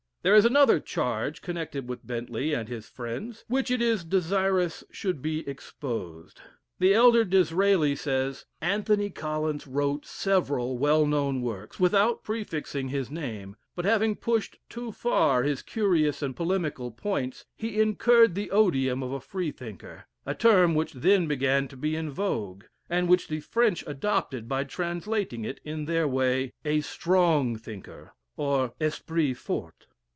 There is another charge connected with Bentley and his friends, which it is desirous should be exposed. The elder D'Israeli says: "Anthony Collins wrote several well known works, without prefixing his name; but having pushed too far his curious and polemical points, he incurred the odium of a Freethinker a term which then began to be in vogue, and which the French adopted by translating it, in their way 'a strong thinker,' or esprit fort.